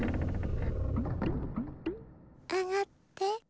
あがって。